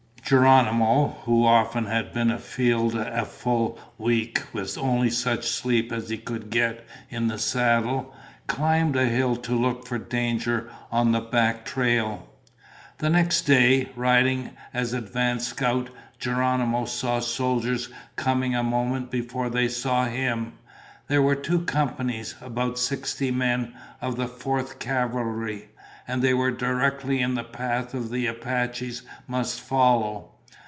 Geronimo, who often had been afield a full week with only such sleep as he could get in the saddle, climbed a hill to look for danger on the back trail. The next day, riding as advance scout, Geronimo saw soldiers coming a moment before they saw him. There were two companies, about sixty men, of the Fourth Cavalry, and they were directly in the path the Apaches must follow.